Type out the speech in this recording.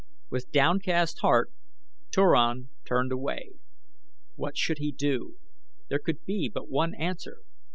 With downcast heart Turan turned away. What should he do? There could be but one answer.